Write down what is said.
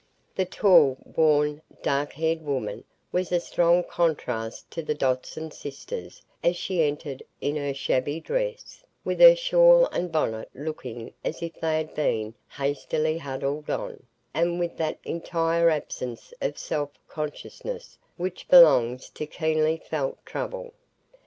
The tall, worn, dark haired woman was a strong contrast to the Dodson sisters as she entered in her shabby dress, with her shawl and bonnet looking as if they had been hastily huddled on, and with that entire absence of self consciousness which belongs to keenly felt trouble.